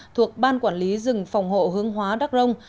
thuộc ban quản lý rừng phòng hộ hướng hóa đắc rông